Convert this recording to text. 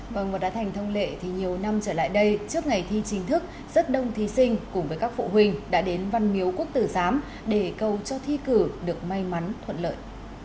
vâng và đã thành thông lệ thì nhiều năm trở lại đây trước ngày thi chính thức rất đông thí sinh cùng với các phụ huynh đã đến văn miếu quốc tử giám để cầu cho thi cử được may mắn thuận lợi